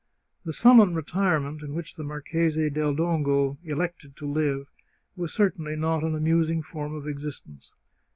The sullen retirement in which the Marchese del Dongo elected to live was certainly not an amusing form of exist ence.